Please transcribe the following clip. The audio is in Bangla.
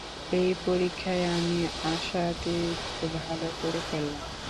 এই পরীক্ষায় আমি আশাতীত ভালো করে ফেললাম।